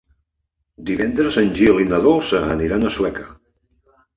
Divendres en Gil i na Dolça aniran a Sueca.